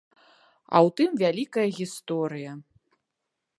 А ў тым вялікая гісторыя.